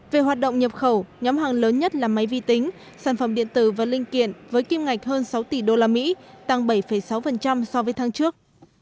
về hoạt động nhập khẩu nhóm hàng lớn nhất là máy vi tính sản phẩm điện tử và linh kiện với kim ngạch hơn sáu tỷ usd tăng bảy sáu so với tháng trước